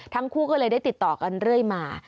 ทั้งคู่ก็เลยได้ติดต่อกันเรื่อยมา